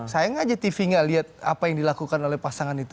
sayang aja tv gak lihat apa yang dilakukan oleh pasangan itu